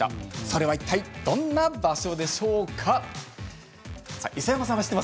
それはいったいどんな場所でしょうか？